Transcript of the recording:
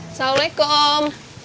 bisa aja mereka ditangkap